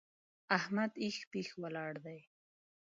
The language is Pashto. احمد هېښ پېښ ولاړ دی!